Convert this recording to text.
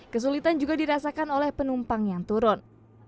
kesulitan juga dirasakan oleh penumpang yang turun